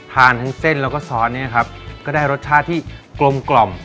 ทานทั้งเส้นแล้วก็ซอสเนี่ยครับก็ได้รสชาติที่กลมกล่อม